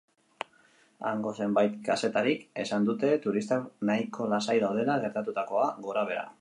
Hango zenbait kazetarik esan dute turistak nahiko lasai daudela, gertatutakoa gorabehera.